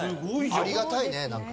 ありがたいねなんか。